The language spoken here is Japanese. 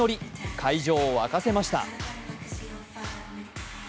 会場を沸かせました。